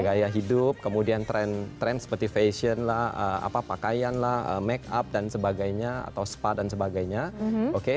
gaya hidup kemudian tren tren seperti fashion lah apa pakaian lah make up dan sebagainya atau spa dan sebagainya oke